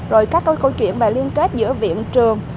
rồi các câu chuyện về liên kết giữa viện trường